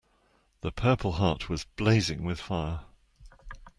The purple heart was blazing with fire.